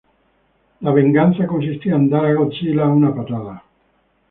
La "venganza" consistía en dar a Godzilla una patada.